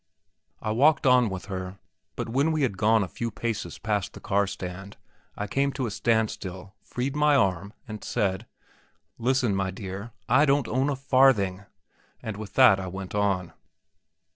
I walked on with her. But when we had gone a few paces past the car stand I came to a standstill, freed my arm, and said: "Listen, my dear, I don't own a farthing!" and with that I went on.